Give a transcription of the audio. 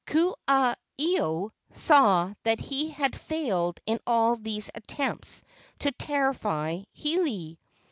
Ku aha ilo saw that he had failed in all these attempts to terrify Hiilei.